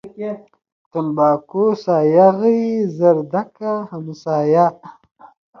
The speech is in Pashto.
تنباکو سايه غيي ، زردکه همسايه.